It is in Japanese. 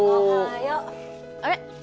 あれ？